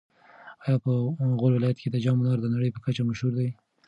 ایا په غور ولایت کې د جام منار د نړۍ په کچه مشهور دی؟